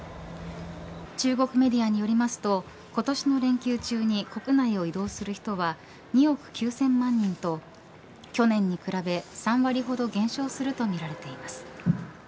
中国メディアによりますと今年の連休中に国内を移動する人は２億９０００万人と去年に比べ３割ほど減少するとみられています。